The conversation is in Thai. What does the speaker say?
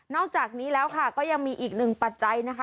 อกจากนี้แล้วค่ะก็ยังมีอีกหนึ่งปัจจัยนะคะ